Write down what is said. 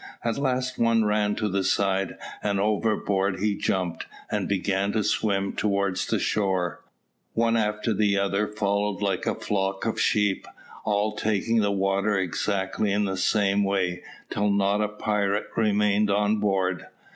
At last one ran to the side, and overboard he jumped, and began to swim towards the shore. One after the other followed like a flock of sheep, all taking the water exactly in the same way, till not a pirate remained on board.